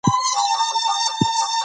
رنګ يې لېږ څه ځاى ته راغلو.